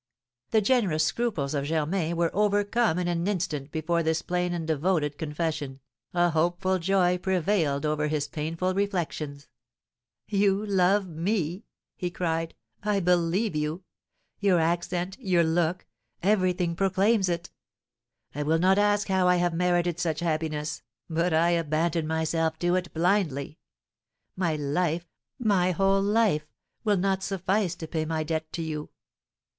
The generous scruples of Germain were overcome in an instant before this plain and devoted confession, a hopeful joy prevailed over his painful reflections. "You love me?" he cried; "I believe you; your accent, your look, everything proclaims it! I will not ask how I have merited such happiness, but I abandon myself to it blindly; my life, my whole life, will not suffice to pay my debt to you!